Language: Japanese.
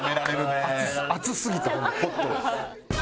熱すぎたポット。